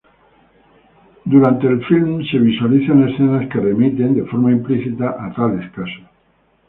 Durante el film se visualizan escenas que remiten, de forma implícita, a tales casos.